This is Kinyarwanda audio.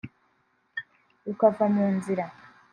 rukava mu nzira